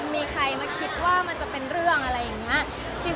มีใครมาคิดว่ามันจะเป็นเรื่องอะไรอย่างนี้